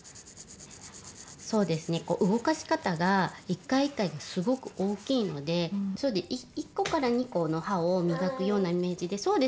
そうですね動かし方が１回１回がすごく大きいので１個２個の歯をみがくようなイメージで。